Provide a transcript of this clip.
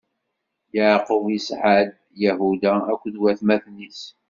Yeɛqub isɛa-d Yahuda akked watmaten-is.